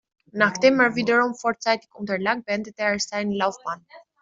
Nachdem er wiederum vorzeitig unterlag, beendete er seine Laufbahn.